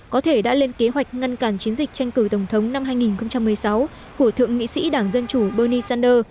có thể đã lên kế hoạch ngăn cản chiến dịch tranh cử tổng thống năm hai nghìn một mươi sáu của thượng nghị sĩ đảng dân chủ bernie sanders